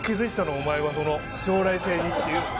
お前はその将来性にっていう。